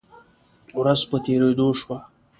ورځ په تیریدو شوه